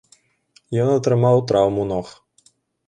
Ён атрымаў траўму ног.